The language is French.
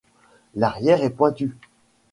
L'arrière est pointu.